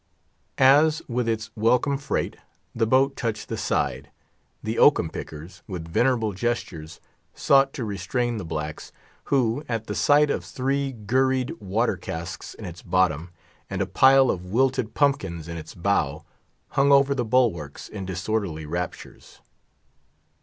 As, with its welcome freight, the boat touched the side, the oakum pickers, with venerable gestures, sought to restrain the blacks, who, at the sight of three gurried water casks in its bottom, and a pile of wilted pumpkins in its bow, hung over the bulwarks in disorderly raptures.